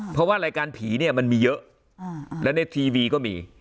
เพราะว่ารายการผีเนี่ยมันมีเยอะและในทีวีก็มี